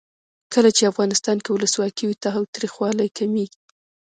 کله چې افغانستان کې ولسواکي وي تاوتریخوالی کمیږي.